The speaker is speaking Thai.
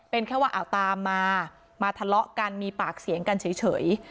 เป็นแค่ว่าเอาตามมามาทะเลาะกันมีปากเสียงกันเฉย